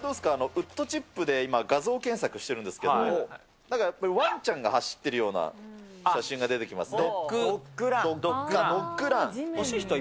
ウッドチップで今、画像検索しているんですけれども、なんかやっぱり、ワンちゃんが走ってるような写真が出てきますね。